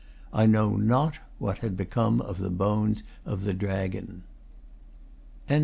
I know not what had be come of the bones of the dragon. XXX.